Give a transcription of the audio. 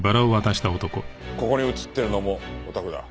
ここに映ってるのもおたくだ。